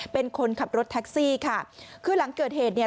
เป็นคนขับรถแท็กซี่ค่ะคือหลังเกิดเหตุเนี่ย